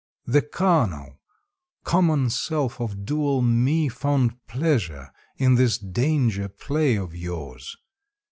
The carnal, common self of dual me Found pleasure in this danger play of yours.